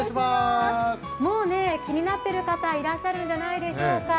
気になってる方、いらっしゃるんじゃないでしょうか。